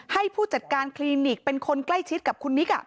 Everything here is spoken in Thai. ผู้จัดการคลินิกเป็นคนใกล้ชิดกับคุณนิก